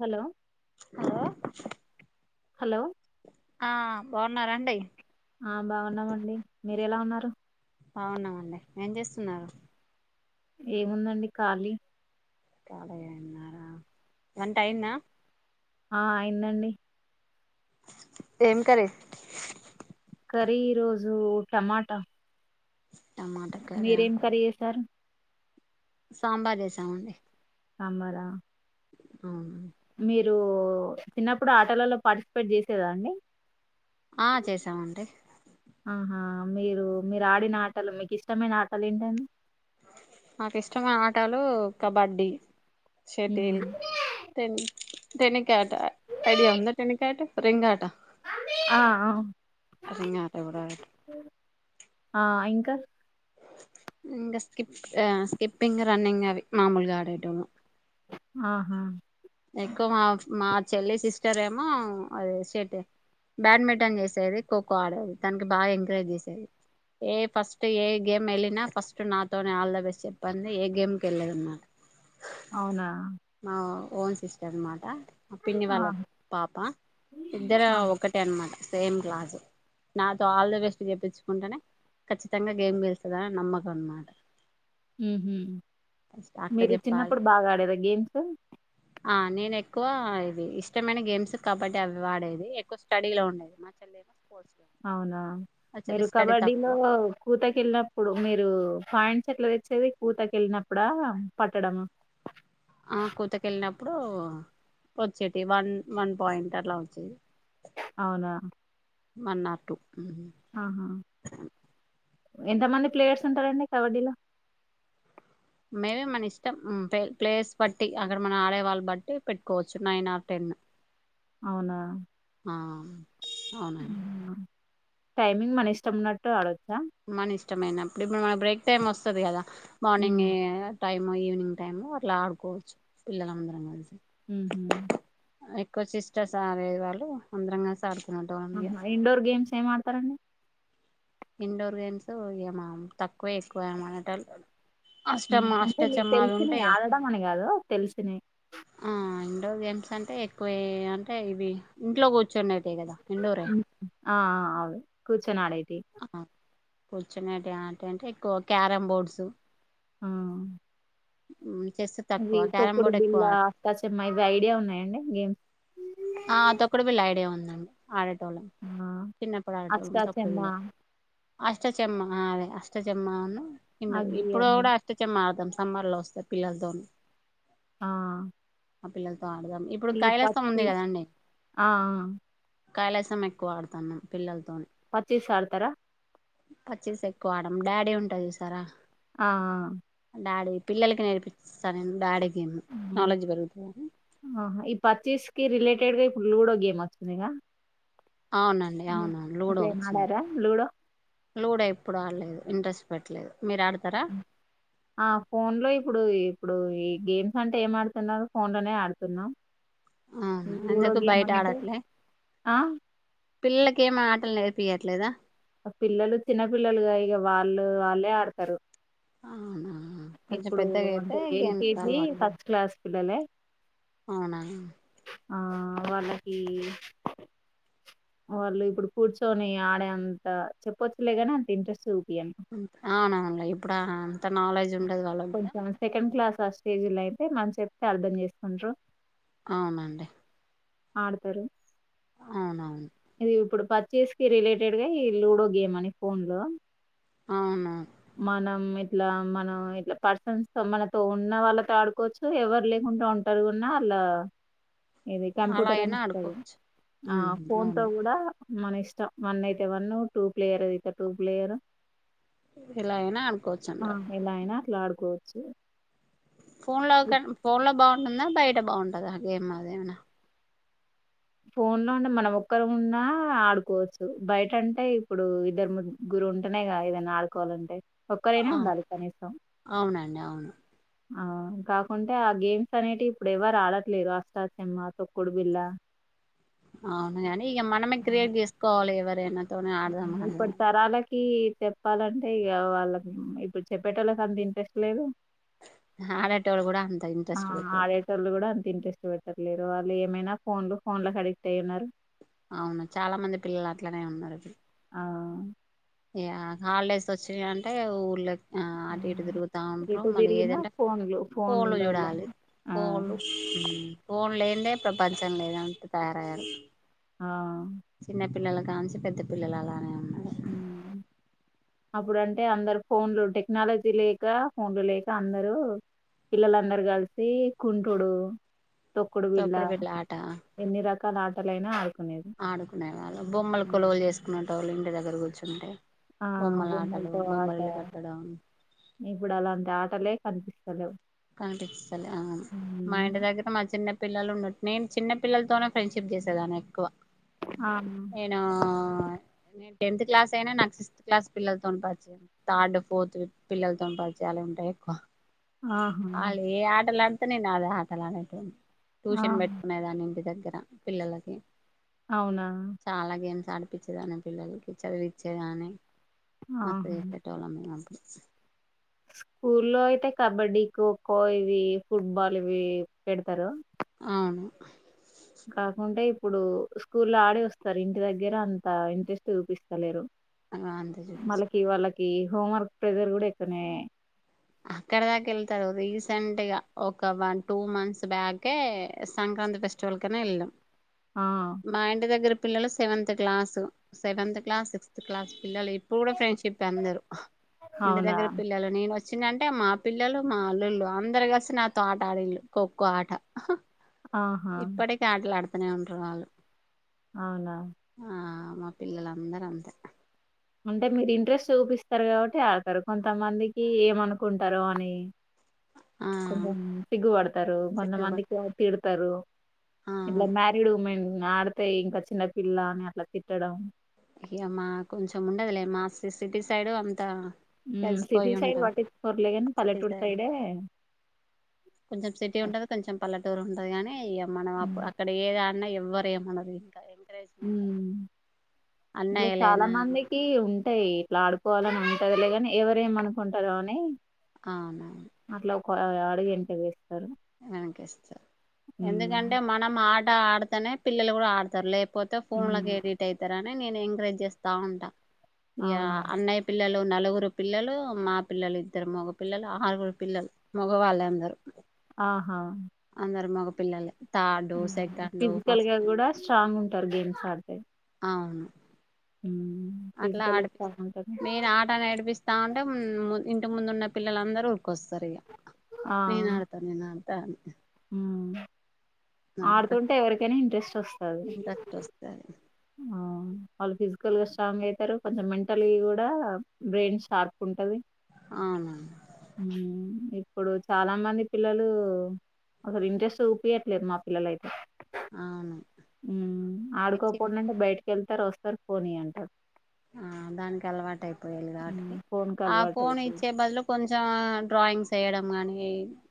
Hello hello hello ఆ బాగున్నారండి. ఆ బాగున్నామండి. మీరు ఎలా ఉన్నారు బావున్నామండి. ఏం చేస్తున్నారు. ఏముందండి. ఖాళీ కాలిగే ఉన్నారా వంట అయిందా ఆ అయిందండి. ఏం కర్రీ కర్రీ ఈరోజు టమాటా టమాట ఆ మీరేం కర్రీ చేసారు. సాంబార్ చేసామండి. సాంబార్ ఆ అవును మీరు చిన్నప్పుడు ఆటలలో పార్టిసిపేట్ చేసేదా అండి. ఆ చేసామండి. ఆహా మీరు మీరు ఆడిన ఆటలు, మీకు ఇష్టమైన ఆటలు ఏంటండి. నాకు ఇష్టమైన ఆటలు కబడ్డీ. షేటిల్ ఉమ్. తెండి టెనిక్యాట్ ఐడియా ఉందా టెనిక్యాట్ రింగ్ ఆట ఆ రింగ్ ఆట కూడా ఆడటం ఆ ఇంకా తర్ ఇగా స్కిప్ స్కిప్పింగ్ రన్నింగ్ అవి మామూలుగా ఆడేటోల్లం ఆహా ఎక్కువ మా మా చెల్లి సిస్టర్ ఏమో అది షెటిల్ బ్యాడ్మింటన్ చేసేది. ఖోఖో ఆడేది తనకి బాగా ఎంకరేజ్ చేసేది. ఏ ఫస్ట్ ఏ గేమ్ వెళ్ళినా ఫస్ట్ నాతోనే ఆల్ ద బెస్ట్ చెప్పందే, ఏ గేమ్కి వెళ్ళేదమ్మా అవునా పాన్స్ సిస్టర్ మాట ఆ పిన్ని వాళ్ళ పాప ఇద్దరు ఒకటే అనమాట. సేమ్ క్లాసు నాతో ఆల్ ది బెస్ట్ చేప్పించుకుంటేనే ఖచ్చితంగా గేమ్ గెలుస్తుందిని నమ్మకం అన్నమాట. ఊహు మీరు చెప్పాలి చిన్నప్పుడు బాగా ఆడేదా గేమ్స్ ఆ నేను ఎక్కువ ఇది ఇష్టమైన గేమ్స్ కబడ్డీ అవ్వాడేది. ఎక్కువ స్టడీ లో ఉండేది మాచెల్లేమో అవునా మీరు కబడ్డీలో తక్కువ కూత కెళ్ళినప్పుడు మీరు పాయింట్స్ ఎట్ల తెచ్చేది కూతకి వెళ్ళినప్పుడ పట్టడం ఆ కూత కెళ్ళినప్పుడు వచ్చేటివి. వన్ వన్ పాయింట్ అలా వచ్చేది. అవునా వన్ ఆర్ టూ ఊహు ఆహా ఎంతమంది ప్లేయర్స్ ఉంటారండి కబడ్డీలో మేబి మన ఇష్టం ప్లేస్ బట్టి అక్కడ మన ఆడేవాళ్ళ బట్టి పెట్టుకోవచ్చు నైన్ ఆర్ టెన్ అవునా ఆ అవునండి. మ్మ్ టైమింగ్ మన ఇష్టంన్నట్టు ఆడొచ్చ మన ఇష్టమైనప్పుడు ఇప్పుడు మన బ్రేక్ టైమ్ వస్తది కదా మ్మ్ మార్నింగే టైమ్ ఈవినింగ్ టైమ్ అట్ల ఆడుకోవచ్చు పిల్లలందరం కలిసి ఊహు ఎక్కువ సిస్టర్స్ ఆడేవాళ్ళు అందరం కలసి ఆడుక్ ఆహా! ఇండోర్ గేమ్స్ ఏమాడాతారండి. ఇండోర్ గేమ్స్ ఏమా తక్కువే ఎక్కువేం ఆడేటోల్లు అంటే మీకు తెలిసినవి ఆడడం అని కాదు తెలిసినవి. ఆ గేమ్స్ అంటే ఎక్కువే అంటే ఇవి ఇంట్లో కూర్చుండేట్ టీవే కదా ఇండోరే ఆ ఆ అవే కూర్చొని ఆడే ఆ కూర్చునేటి ఆట అంటే ఎక్కువ క్యారమ్ బోర్డ్స్ ఆ [unintelligible] అవి తక్కువ క్యారమ్ తొక్కుడు బోర్డ్ బిల్ళ ఎక్కువ ఆడ అష్టాచెమ్మా ఇవి ఐడియా ఉన్నాయండి గేమ్స్ ఆ తొక్కడు బిళ్ళ ఐడియా ఉందండి ఆడే టోల్లం ఆ చిన్నప్పుడు ఆడేటోల్లం తొక్కుడు అష్టాచెమ్మ బిళ్ళ అష్టాచమ్మా అ అదే అష్టాచమ్మను ఇన్డ్డు అగ్గి ఇప్పుడు అని కూడా అష్టాచమ్మా ఆడుతాం. సమ్మర్లో వస్తాయి పిల్లలతోని ఆ ఆ పిల్లల్ అడుదం ఇప్పుడు ఈ కైలస్తం పచ్చి ఉంది కదండి ఆ కైళసం ఎక్కువ ఆడుతాను పిల్లల తొ పచ్చిస్ ఆర్ తరా పచ్చిస్ ఎక్కువ ఆడ డాడీ ఉంట చూసారా ఆఆ డాడీ పిల్లలకి నేర్పిస్తా నేను డాడీకి ఆహ ఈ పచ్చస్కి రిలేట్ ఎట్ట్డగా ఇప్పుడు లూడో గేమ్ వచ్చందిగా అవునండి అవునం లూడో ఒచ్చింది ఆడారా లూడో లూడో ఎప్పుడు ఆడలేదు ఇంట్రెస్ట్ పెట్టలేదు మీరు ఆడతారా ఆ ఫోన్ లో ఇప్పుడూ ఇ ఇప్పుడు ఈ గేమ్స్ అంటే ఏం ఆడుతున్నారు ఫోన్ లోనే ఆడుతున్నాం అవునా లూడో ఎందుకు గేమ్ బయట అంటే? ఆడట్లే పిల్లలకి ఏం ఆటలు నేర్పియట్లేదా పిల్లలు చినపిల్లలుగా ఇగ వాళ్ళు వాళ్ళే ఆడతరు అవునా కొంచెం ఇప్పుడుూ పెద్దగా అయితే అంటే గేమ్స్ ఎల్కేజీ అలవాటు ఫస్ట్ క్లాస్ పిల్లలే అవునా ఆ వాళ్ళకి వాళ్ళు ఇప్పుడు కూర్చొని ఆడే అంత చెప్పొచ్చులేగాని అంత ఇంట్రెస్ట్ చూపియను అవునవునులే ఇప్పుడు అంత నాలెడ్జ్ ఉండదు వాళ్ళకి కూడా కొంచెం సెకండ్ క్లాస్ ఫట్ స్టేజ్ లో అయితే మన చెప్తే అర్ధం చేసుకుంట్రు అవునండి ఆడతరు అవునవును ఇది ఇప్పుడు పర్చేస్ కి రిలేటెడ్ గా ఈ లూడో గేమ్ అని ఫోన్ లో అవును మనం ఇట్లా మన ఇట్లా పర్సన్స్ త మనతో ఉన్న వాళ్ళతో ఆడుకోవచ్చు ఎవరు లేకుండా ఉంటారు కూన్నా అలా ఇది అలా కంప్యూటర్ అని అయినా వస్తుంది ఆడుకోవచ్చు ఆ ఉహు ఫోన్ తో అవునా కూడా మన ఇష్టం వన్ అయితే వన్ టూ ప్లేయర్ అయితే టూ ప్లేయర్ ఇలా అయినా అనుకోవచ్చు అంట ట్లాడుకోవచ్చు ఫోన్ లో ఫోన్ లో బాగు న్నా బయట బాగుంటదా గేమ్ అదేమన్న ఫోన్ లో అంటే మనం ఒక్కరం ఉన్నా ఆడుకోవచ్చు బయట అంటే ఇప్పుడు ఇద్దరు ముగ్గురు ఉంటేనేగా ఏదన్న ఆడుకోవాలంటే ఒక్కరైన ఆ ఉండాలి కనీసం [inaudible] ఆ కాకుంటే ఆ గేమ్స్ అనేటి ఇప్పుడు ఎవరు ఆడట్లేరు అష్టాచమ్మ తొక్కుడు బిల్ల అవునుగాని ఇగ మనమే క్రెయేట్ చేసుకోవాలి ఇగ వట్ అే నా తోనే ఆడుదామానే కి చెప్పాలంటే ఇగ వాళ్ళక్ ఇప్పుడు చెప్పేటోళ్ళకి అంత ఇంట్రెస్ట్ లేదు ఆడేటోళ్ళు కూడా అంత ఆ ఇంట్రెస్ట్ పెట్టారు ఆడేటోళ్లు కూడా అంత ఇంట్రెస్ట్ పెట్టారు లేరు వాళ్ళు ఏమైనా ఫోన్లు ఫోన్లకి అడిక్ట్ అయ్య ఉన్నారు అవును చాలా మంది పిల్లలు అట్లనే ఉన్నారు ఆ య హాలిడేస్ వచ్చినాయంటే ఊర్ళ అ అటు ఇటు ఉమ్, తిరుగుత ఉంట్రూ ఎటు మళ్ళీ తిరిగినా ఏదంటే ఫోన్లు ఫోన్లు ఫోన్లల్ల. చూడాలి ఆ! పోన్లు ఫోన్ లేదే ప్రపంచం లేదన్నట్టు తయారయ్యారు ఆ చిన్నపిల్లలకానించి పెద్ద పిల్లలు అలానే హమ్ అప్పుడంటే అందరు ఫోన్లు టెక్నాలజీ లేక ఫోన్లు లేక అందరు పిల్లలందరు కలిసి కుంటుడు తొక్కుడు బిల్ల బిళ్ళ ఆట ఎన్ని రకాల అ అటలైనా అడ్ ఆడుకునే వాళ్ళు బొమ్మలు కొలువలు చేసుకున్న టవల్ ఇంటి దగ్గర కూర్చుంటే ఆ బొమ్మల ఆటలు బొమ్మలతో ఆట బొమ్మలు ఇల్లు కట్టడం ఇప్పుడు అలాంటి ఆటలే అనిపిస్తాల అ అ మా ఇంటి దగ్గర అజ పిల్లల్ ఉన్నట్నే చిన్న పిల్లల్తోనే ఫ్రెండ్షిప్ జేసేదాన్ని ఎక్కువ ఆ నేనూ నేన్ టెన్త్ క్లాస్ అయినా నాక్ సిస్త్ క్లాస్ పిల్లల్తోన్ పరిచయం థర్డ్ ఫోర్త్ పిల్లల్తోన్ పరిచయాలే ఉంటాయి ఎక్కువ ఆహా ఆళే ఆటలన్ ఇకడ్ నేన్ ఆడే ఆటలా [unintelligible] ఆ టూషన్ పెట్కునే దాన్ని ఇంటి దగ్ ధర పిల్లలకి అవునా తాడిపిచ్చేదాని పిల్లలకి చదివిచ్చేదాన్ని ఆహా మాకైతే [unintelligible] స్కూల్లో అయితే కబడ్డీ ఖోఖో ఇవి ఫుట్బాల్ ఇవి పెడతరు అవును కాకుంటే ఇప్పుడు స్కూలో ఆడి వస్తరు ఇంటి దగ్గర అంత ఇంట్రెస్ట్ చూపిస్తలేరు వాళ్ నాన్తో చూపిచు ఈ హోంవర్క్ ప్రజర్ గుడ ఎక్కువ్నే అక్కడ దాకా వెళ్తారు రీసెంట్ గా ఒక వన్ టూ మంత్స్ బ్యాకే సంక్రాంతి ఫెస్టివల్ కనే వెళ్ళాం. ఆ మా ఇంటి దగ్గర పిల్లలు seventh class seventh class sixth class పిల్లలు ఇప్పుడు కూడా ఫ్రెండ్షిప్పే అందరు ఇంటి అవునా దగ్గర పిల్లలు నేను వస్ చ్చిందంటే మా పిల్లలు మా అల్లుళ్లు అందరు కస్ నాతో ఆట ఆడేళ్ళు ఖోఖో ఆట ఆహా ఇప్పడే కాళ్ల అను వత్తనే ఉంటర్ వాళ్ళు అవునా ఆ మా పిల్లలందర్ అంతే అంటే మీరు ఇంట్రెస్ట్ చూపిస్తారు కాబట్టి ఆడుతరు కొంతమందికి ఏమనుకుంటరో అని ఆ కొంచెం సిగుబడుతారు కొంద సిగ్గుపడి మందికేమో తిడ్ తరు ఆ ఇట్ల మ్యారిడ్ ఉమెన్ ఆడితే ఇంకా చిన్న పిల్ల అని అట్లా తిట్టడం ఇగ మ్మా కొంచెం ఉండదులే మా సిటీ సైడు అంత హు సిటీ సైడ్ పట్టించ్చుకోరులే గని సిటీ పల్లెటూర్ సైడ్ సైడే కొంచెం సిటీ ఉంటది కొంచెం పల్లే టురు ఉంటది కాని ఇగ మనం అప్ అక్కడ ఏద న్న ఎవ్వరేమనరు ఇంకా హు ఎంకరేజ్మెంట్ ఇట్లా చాలా అన్నయ్యలైనా మందికి ఉన్ టై ఇట్లా ఆడుకోవాలని ఉంటదిలేగాని ఎవరెమనుకుంటరో అని అవునా [unintelligible] అడుగు ఎంట వేస్ వెనకిస్తారు ఎందుకంటే హ్మ్ మనం ఆ ఆడతనే పిల్లలు కూడా ఆడతారు లే పోతే ఫోన్ లకు హ్మ్. ఏడిట్ అయితారా నేన్ నేన్ ఎంకరేజ్ చేస్తా ఉంటా యా అవునవును. అన్నయి పిల్లలు నలుగురు పిల్లలు మా పిల్లలు ఇద్దరు మగ పిల్లలు ఆరుగురు పిల్లలు మగవాళ్ళ అందరు ఆహా ందరు మగపిల్లలే థర్డు మ్మ్ సెకండు ఫిజికల్ గా ఫస్ట్ కూడా స్ట్రాంగ్ ఉంటారు గేమ్స్ ఆడితే అవును హ్మ్. అట్లా ఫిజికల్లీ ఆడిపిస్ స్ట్రాంగ్ ఉంటారు. నేను ఆట నేడిపిస్తాన్ టం ఇంతకు ముందు ఉన్న పిల్లలందరూ కోస్తారిగా ఆ! నేను ఆడతాను నేను ఆడు దాను మ్మ్ ఆడుతుంటే అట్లా ఎవరికైనా ఇంట్రెస్ట్ వస్తది ఇంట్రెస్ట్ వస్తది ఆ వాళ్ల ఫీజ్ కల్ గ స్ట్రాంగ్ అయితారు కొంచెం మెంటలీ కూడా బ్రెయిన్ షార్ప్ ఉంటది అవును మ్మ్ ఇప్పుడు చాలా మంది పిల్లలు ఒకరు ఇంట్రెస్ట్ చూపియట్లేదు మా పిల్లలైతే అవును మ్మ్ ఆడుకోపోడనంటే బయటకి వెళ్ తరొస్తారు ఫోనీ అంటారు ఆ దానికి అలవాటు అయిపోయాల కాటి హ్మ్. ఫోన్‌కి ఆ ఫోన్ అలవాటయిపోయింది. ఇచ్చే బదులు కొంచెం డ్రాయింగ్స్ చేయడం గానీ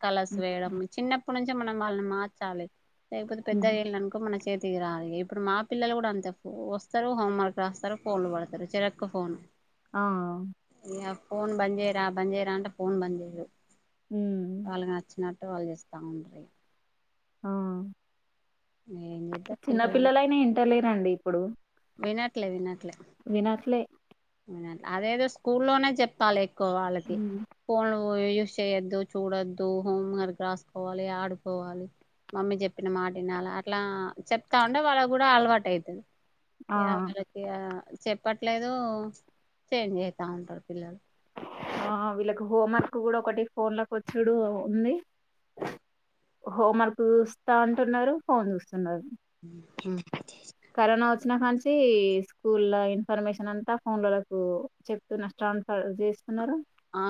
కలస్ హ్మ్. వేయడం చిన్నప్పటి నుంచ్ మనం వాళ్లు మార్చాలి లేకపోతే హ్మ్. పెద్దయేళ్ళనుకో మన చే తిగరాదిగా ఇప్పుడు మా పిల్లలు కూడా అంతే వస్తారు హోమ్వర్క్ రాస్తారు ఫోన్లు పడత్ తరు చెరొక్కొ ఫోను ఆ ఇగ ఫోన్ బంద్ చేయరా బంద్ చేయరా అంటే ఫోన్ బంద్ చేయరు హ్మ్ వాళ్ళగచ్చినట్ టవాలు చేస్త ఉండ్రి ఆ ఏం చేద్దాం చిన్న పిల్లలంటే పిల్లలైనా ఇంటలేరండి ఇప్పుడు వినట్లే వినట్లే వినట్లే అదేదో స్కూల్లోనే చేప్తాలే. కో వాళ్ళకి ఉమ్, ఫోన్ క్కువ యూజ్ చేయ్యొద్దు చూడొద్దు హోమ్ వర్క్ రాసుకోవాలి ఆడుకోవాలి మమ్మీ చెప్పిన మాట వినాల అట్లా చెప్తా ఉంటే వాళ్ళ కూడా అలవాటు అయితది ఆ యా [unintelligible] చెప్పట్లేదు. చేంజ్ అయితా ఉంటరు పిల్లలు ఆ హ వీళ్ళకి హోం వర్క్ కూడా ఒకటి ఫోన్ లోకి వచ్చుడు ఉంది హోం వర్క్ చూస్తా అంటున్నారు ఫోన్ చూస్త హ్మ్ వచ్చిన కాంచి స్కూళ్ల ఇన్ఫర్మేషన్ అంతా ఫోన్ లల్లకు చెప్తూ ట్రాన్స్ఫర్ చేస్త్ ఆ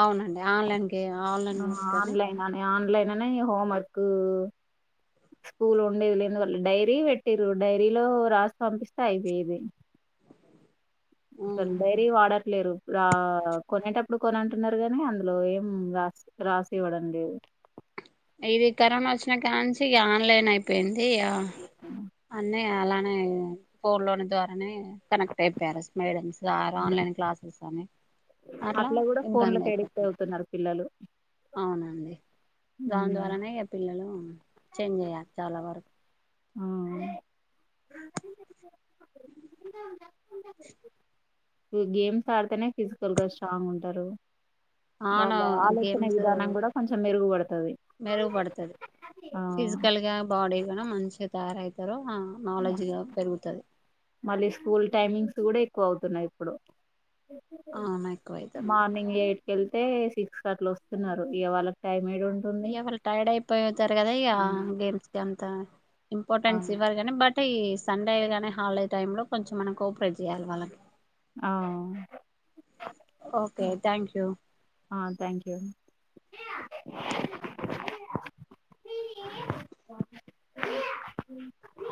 అవునండి ఆన్లైన్ కి ఆన్లైన్ ఆ, వర్క్ అని ఆన్లైన్ ఆన్లైన్ అని హోమ్ వర్క్ స్కూల్ ఉండేది లేందువల్ల డైరీ పెట్టిర్రు డైరీలో రాసి పంపిస్తే అయిపోయేది అసలు డైరీ వాడట్లేరు రా కొనేటప్పుడు కొని అంటున్నారు కానీ అందులో ఏం రాసి రాసి ఇవ్వడం లేదు ఇది కరోనా వచ్చిన కాంచి ఇగ ఆన్లైన్ అయిపోయింది ఇగా అన్న అలానే ఫోన్ లోని ద్వారానే కనెక్ట్ అయిపోయారు అసలు మేడమ్స్ ఆ ఆన్లైన్ క్లాసెస్ సమే అట్లా కూడా ఫోన్ లకి ఎడిక్ట్ అవుతున్నారు పిల్లలు అవునండి దాని ఉమ్. ద్వారానే ఇగా పిల్లలు ఉ చేంజ్ అయ్యారు చాలా వరకు ఆ ఉంట ఉంటా గేమ్స్ ఆడితేనే ఫిజికల్ గా స్ట్రాంగ్ ఉంటారు ఆన్ వాళ్ళ ఆలోచన గేమ్స్ విధానం కూడా కొంచెం మెరుగుపడుతది మెరుగుపడుతది ఆ ఫిజికల్ గా బాడీ కూడా మంచిగా తయారయితారు ఆ నాలెడ్జ్ ఇగా పెరుగుతది మళ్ళీ స్కూల్ టైమింగ్స్ కూడా ఎక్కువ అవుతున్నాయి ఇప్పుడు ఆ ఎక్కువ అయితున్నాయి క వెళ్తే సిక్స్ అట్లా వస్తున్నారు ఇగా వాళ్ళకి టైమ్ ఇగ వాళ్ళు టైర్డ్ అయిపోతారు కదా ఇగ ఆ గేమ్స్ క త ఇంపార్టెన్ట్స్ ఇవరుగానీ బట్ తీ సండే గద అని హాలిడే టైమ్ లో కొంచెం మనం కోపరేట్ చేయాలి వాళ్ళకి ఆ ఓకే థ్యాంక్ యూ ఆ థ్యాంక్ యూ [unintelligible]